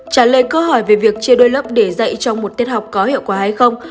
trả lời câu hỏi về việc chia đôi lớp để dạy cho một tiết học có hiệu quả hay không